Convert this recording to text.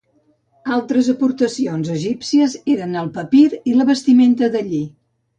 Altres exportacions egípcies eren el papir i la vestimenta de lli.